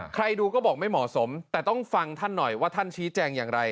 ใครดูก็บอกไม่เหมาะสมแต่ต้องฟังท่านหน่อยว่าท่านชี้แจงอย่างไร